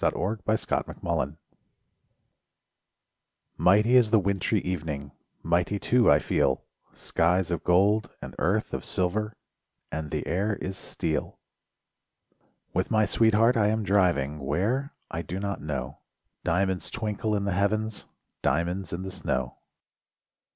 SONGS AND DREAMS Winter Mighty is the wintry evening, Mighty too, I feel; Skies of gold, and earth of silver And the air is steel. With my sweetheart I am driving Where—I do not know; Diamonds twinkle in the heavens, Diamonds in the snow.